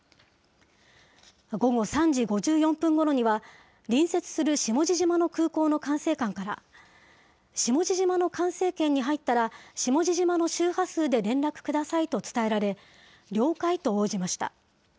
午後３時５４分ごろには、隣接する下地島の空港の管制官から、下地島の管制圏に入ったら下地島の周波数で連絡くださいと伝えられ、了解と応じました。